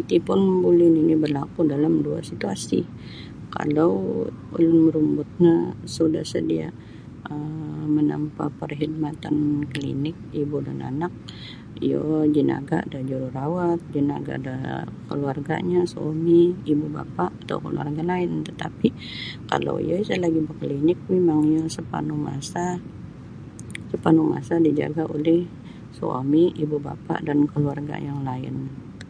Iti pun buli nini' berlaku' dalam dua situasi kalau yunai marumbut no sudah sedia' um menempah perkhidmatan Klinik Ibu dan Anak iyo jinaga' da jururawat jinaga' da keluarganyo suami ibu bapa' atau keluarga lain tatapi' kalau iyo isa' nogu bakalinik mimang iyo sapanuh masa sapanuh masa dijaga' oleh suami ibu bapa' dan keluarga' yang lain.